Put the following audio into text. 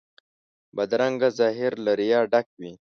بدرنګه ظاهر له ریا ډک وي